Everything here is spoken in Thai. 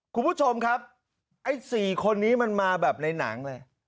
คุณผู้ชมครับไอ้๔คนนี้มันมาแบบในหนังเลย